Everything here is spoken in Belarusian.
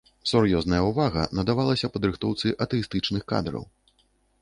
Сур'ёзная ўвага надавалася падрыхтоўцы атэістычных кадраў.